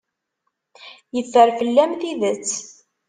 Yeffer fell-am tidet.